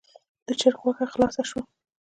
د چرګ غوښه خلاصه شوه.